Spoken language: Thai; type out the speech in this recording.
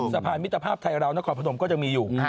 สะพานมิตรภาพไทยราวนครพนมก็จะมีอยู่